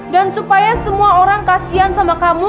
dan supaya semua orang kasihan sama kamu